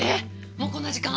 もうこんな時間？